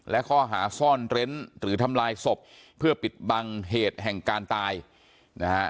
และข้อหาซ่อนเร้นหรือทำลายศพเพื่อปิดบังเหตุแห่งการตายนะฮะ